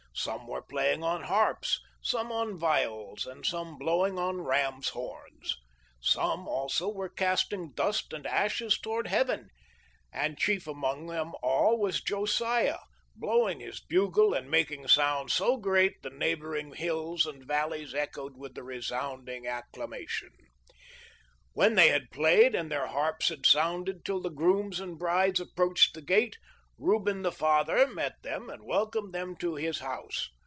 Some were playing on harps, some on viols, and some blowing on rams' horns. Some also were casting dust and ashes towards heaven, and chief among them all was Josiah, blowing his bugle and mak ing sound so great the neighboring hills and valleys echoed with the resounding acclamation: When they had played and their harps had sounded till the grooms and brides approached the gates, Reu THE LIFE OF LINCOLN. 53 ben the father met them and welcomed them to his house.